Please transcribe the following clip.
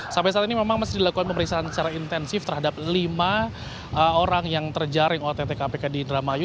sampai saat ini memang masih dilakukan pemeriksaan secara intensif terhadap lima orang yang terjaring ott kpk di indramayu